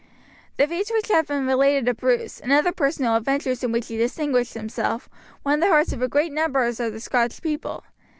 The feats which have been related of Bruce, and other personal adventures in which he distinguished himself, won the hearts of great numbers of the Scotch people.